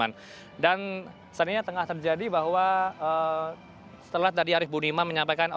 ini adalah pilihan umum